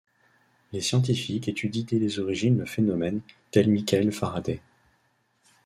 Les scientifiques étudient dès les origines le phénomène, tel Michael Faraday.